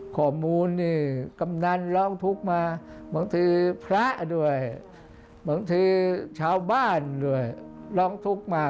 ข้อมูลนี่กำนันร้องทุกข์มาบางทีพระด้วยบางทีชาวบ้านด้วยร้องทุกข์มา